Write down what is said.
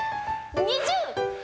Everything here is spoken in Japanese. ２０！